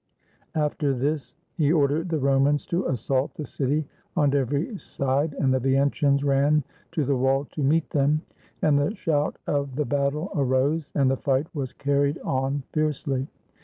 After this, he ordered the Romans to assault the city on every side; and the Veientians ran to the wall to meet them; and the shout of the battle arose, and the fight was carried on fiercely.